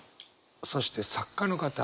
そして作家の方